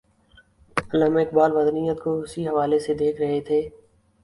علامہ اقبال وطنیت کو اسی حوالے سے دیکھ رہے تھے۔